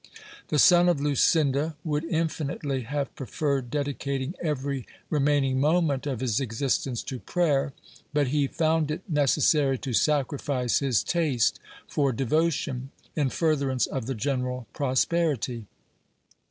The son of Lucinda would infinitely have preferred dedicating every remaining moment of his existence to prayer ; but he found it necessary to sacrifice his taste for devotion, in furtherance of the general pros perity.